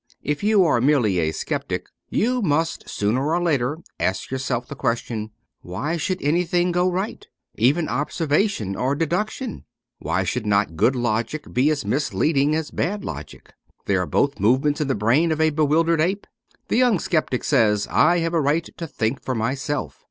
If you are merely a sceptic, you must sooner or later ask yourself the question, ' Why should anything go right ; even observation or deduction ? Why should not good logic be as misleading as bad logic ? They are both movements in the brain of a bewildered ape ?' The young sceptic says, ' I have a right to think for myself.'